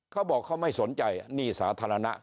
เขาบอกเขาไม่สนใจหนี้สาธารณะ